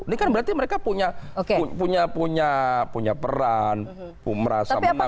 ini kan berarti mereka punya peran merasa menang